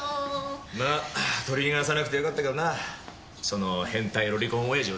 まあ取り逃がさなくてよかったけどなその変態ロリコンおやじをさ。